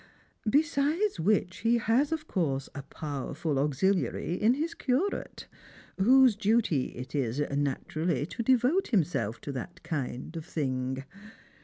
Besides which he nas of course a powerful auxiliary in his curate, whose duty it is, naturally, to devote himself to that kind of thing.